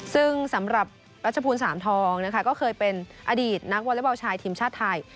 ซึ่งสำหรับรัชภูมิสามทองนะคะก็เคยเป็นอดีตนักวอเล็กบอลชายทีมชาติไทย